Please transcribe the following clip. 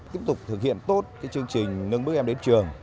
tiếp tục thực hiện tốt chương trình nâng bước em đến trường